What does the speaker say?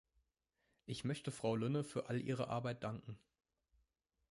Ich möchte Frau Lynne für all ihre Arbeit danken.